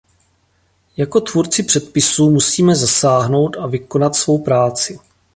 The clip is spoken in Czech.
Jako tvůrci předpisů musíme zasáhnout a vykonat svou práci.